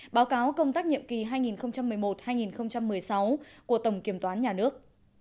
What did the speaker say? báo cáo công tác nhiệm kỳ hai nghìn một mươi một hai nghìn một mươi sáu của tổng kiểm toán nhà nước